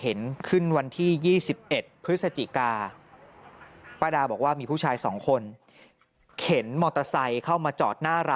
หลังจากพบศพผู้หญิงปริศนาตายตรงนี้ครับ